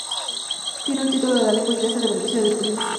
Tiene un título en lengua inglesa de la Universidad de Princeton.